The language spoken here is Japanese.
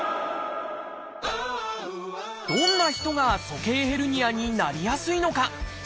どんな人が「鼠径ヘルニア」になりやすいのか？